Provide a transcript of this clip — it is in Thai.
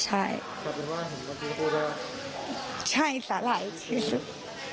ใช่ถ้าเป็นว่าถึงเมื่อกี้พูดได้ใช่สาหร่ายที่สุด